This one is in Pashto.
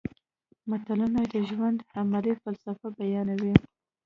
متلونه د ژوند عملي فلسفه بیانوي